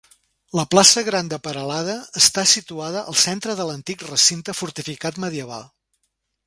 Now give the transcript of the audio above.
La plaça Gran de Peralada està situada al centre de l'antic recinte fortificat medieval.